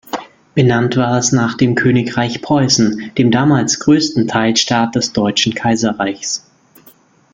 Benannt war es nach dem Königreich Preußen, dem damals größten Teilstaat des deutschen Kaiserreichs.